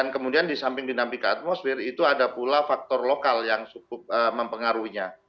kemudian di samping dinamika atmosfer itu ada pula faktor lokal yang cukup mempengaruhinya